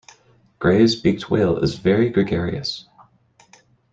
Gray's beaked whale is very gregarious.